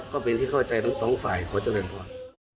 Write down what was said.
ก็เป็นที่เข้าใจทั้งสองฝ่ายขอเจริญพร